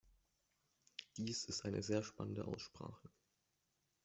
Dies ist eine sehr spannende Aussprache.